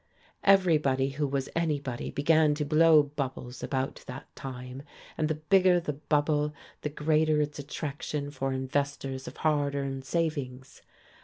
Everybody who was anybody began to blow bubbles about that time, and the bigger the bubble the greater its attraction for investors of hard earned savings.